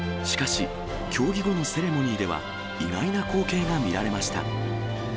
しかし、競技後のセレモニーでは、意外な光景が見られました。